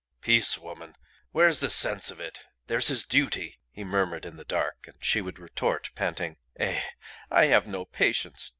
"Peace, woman! Where's the sense of it? There's his duty," he murmured in the dark; and she would retort, panting "Eh! I have no patience.